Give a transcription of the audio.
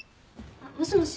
あっもしもし。